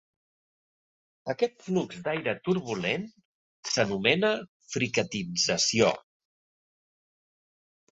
Aquest flux d'aire turbulent s'anomena fricatització.